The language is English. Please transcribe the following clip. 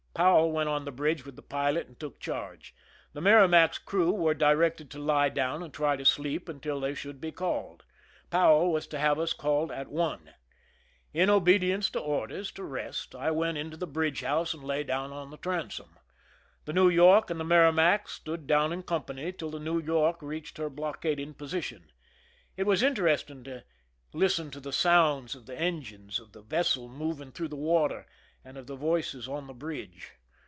Powell W6)nt on the bridge with the pilot and took charge. The Merrima&s crew were directed to lie down and try to sleep until they should be called; Powell was to have us called at one. In obedience to orders to rest, I went into the bridge house and lay down on the transom. The Neiv York and the Merrimac stood down in company till the New York reached her blockading position. It was interesting to listen to the sounds of the en gines, of th€i vessel moving through the water, and of the voices on the bridge.